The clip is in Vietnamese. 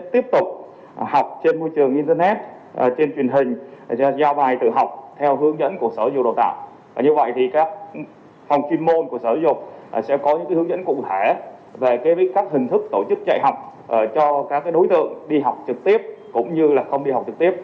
trường học cho các đối tượng đi học trực tiếp cũng như không đi học trực tiếp